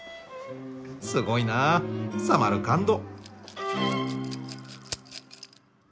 すごいなサマルカンド。